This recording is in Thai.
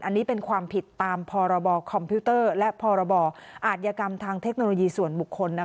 อันนี้เป็นความผิดตามพรบคอมพิวเตอร์และพรบอาธิกรรมทางเทคโนโลยีส่วนบุคคล